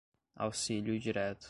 auxílio direto